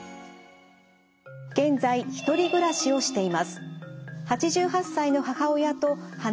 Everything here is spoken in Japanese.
「現在ひとり暮らしをしています。